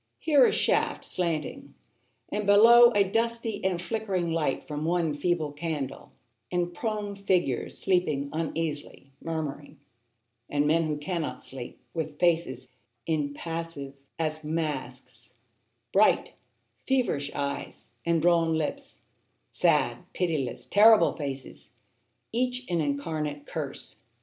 Here a shaft, slanting, and below A dusty and flickering light from one feeble candle And prone figures sleeping uneasily, Murmuring, And men who cannot sleep, With faces impassive as masks, Bright, feverish eyes, and drawn lips, Sad, pitiless, terrible faces, Each an incarnate curse.